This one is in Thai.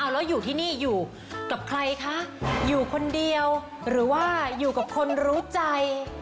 แล้วอยู่ที่นี่อยู่กับใครคะอยู่คนเดียวหรือว่าอยู่กับคนรู้ใจ